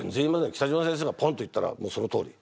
北島先生がポンッと言ったらもうそのとおり。